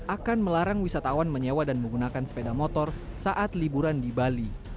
akan melarang wisatawan menyewa dan menggunakan sepeda motor saat liburan di bali